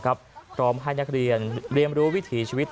พร้อมให้นักเรียนเรียนรู้วิถีชีวิต